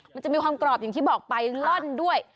มันจะมีความกรอบอย่างที่บอกไปล่อนด้วย